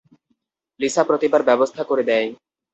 Lisa প্রতিবার ব্যবস্থা করে দেয়।